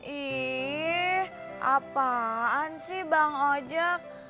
ih apaan sih bang ojek